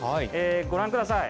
ご覧ください。